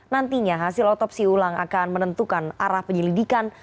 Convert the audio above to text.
nantinya hasil otopsi ulang akan menentukan arah penyelidikan